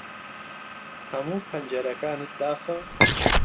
ھەموو پەنجەرەکانت داخست؟